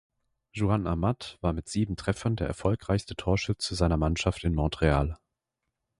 Juan Amat war mit sieben Treffern der erfolgreichste Torschütze seiner Mannschaft in Montreal.